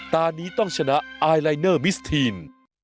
ตอนนี้ต้องชนะไอลายเนอร์มิสทีน